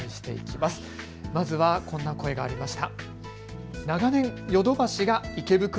まずはこんな声がありました。